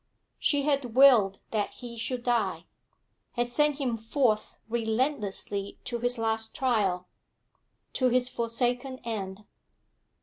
She had willed that he should die, had sent him forth relentlessly to his last trial, to his forsaken end.